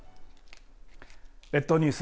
列島ニュース